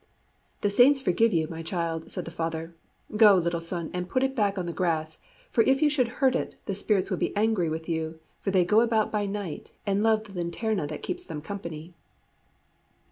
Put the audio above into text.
"The Saints forgive you, my child," said the father. "Go, little son, and put it back on the grass, for if you should hurt it, the spirits would be angry with you, for they go about by night, and love the linterna that keeps them company."